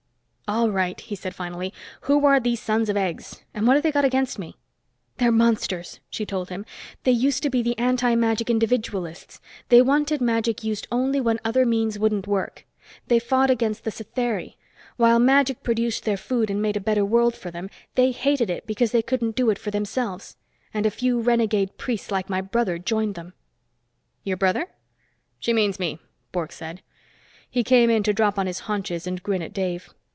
"All right," he said finally. "Who are these sons of eggs? And what have they got against me?" "They're monsters," she told him. "They used to be the antimagic individualists. They wanted magic used only when other means wouldn't work. They fought against the Satheri. While magic produced their food and made a better world for them, they hated it because they couldn't do it for themselves. And a few renegade priests like my brother joined them." "Your brother?" "She means me," Bork said. He came in to drop on his haunches and grin at Dave.